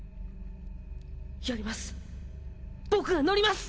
やります